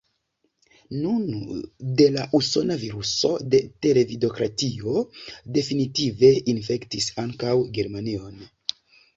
Nun do la usona viruso de televidokratio definitive infektis ankaŭ Germanion.